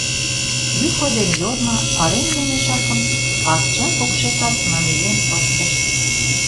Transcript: Юхо ден Йорма пареҥге мешакым пакча покшекак намиен пыштышт.